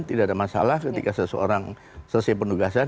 tidak ada masalah ketika seseorang selesai penugasan